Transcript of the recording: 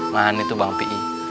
nah ini tuh bang pi